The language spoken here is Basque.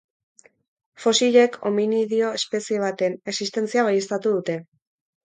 Fosilek hominido espezie baten existentzia baieztatu dute.